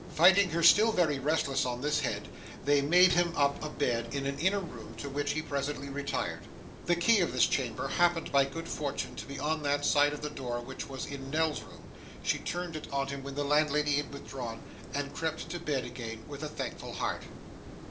Finding her still very restless on this head, they made him up a bed in an inner room, to which he presently retired. The key of this chamber happened by good fortune to be on that side of the door which was in Nell's room; she turned it on him when the landlady had withdrawn, and crept to bed again with a thankful heart.